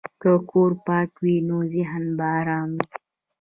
که کور پاک وي، نو ذهن به ارام وي.